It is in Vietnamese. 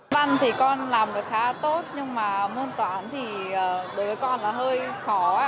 văn thì con làm được khá tốt nhưng mà môn toán thì đối với con là hơi khó